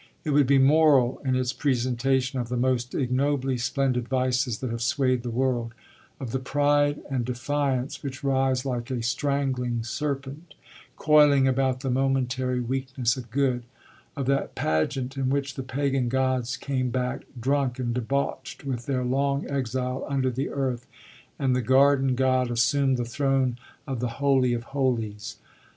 It would be moral in its presentation of the most ignobly splendid vices that have swayed the world; of the pride and defiance which rise like a strangling serpent, coiling about the momentary weakness of good; of that pageant in which the pagan gods came back, drunk and debauched with their long exile under the earth, and the garden god assumed the throne of the Holy of Holies.